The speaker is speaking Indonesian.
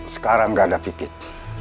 sekarang gak ada pipit